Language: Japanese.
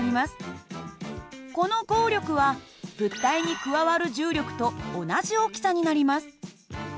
この合力は物体に加わる重力と同じ大きさになります。